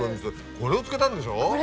これを漬けたんでしょ。